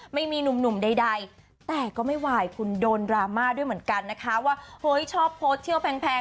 ไม่มีหนุ่มใดแต่ก็ไม่ไหวคุณโดนดราม่าด้วยเหมือนกันนะคะว่าเฮ้ยชอบโพสต์เที่ยวแพง